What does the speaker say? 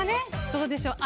どうでしょう。